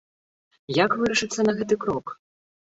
Як вырашыцца на гэты крок?